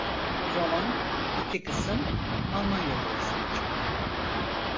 Roman, iki kısım, Almanya'da yazılacak.